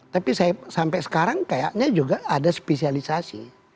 tapi saya sampai sekarang kayaknya juga ada spesialisasi